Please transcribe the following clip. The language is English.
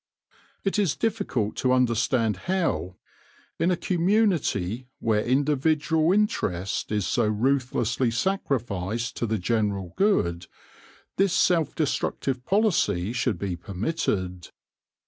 It is difficult to understand how, in a com munity where individual interest is so ruthlessly sacrificed to the general good, this self destructive policy should be permitted.